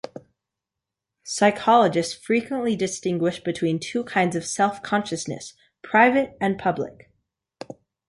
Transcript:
Psychologists frequently distinguish between two kinds of self-consciousness, private and public.